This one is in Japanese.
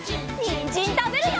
にんじんたべるよ！